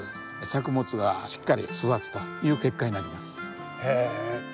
作物がしっかり育つという結果になります。